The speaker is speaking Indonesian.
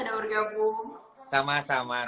terima kasih ya mas sudah bergabung